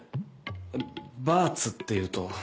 バーツっていうと。